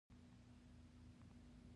غوږونه له نوو ژبو زده کړه کوي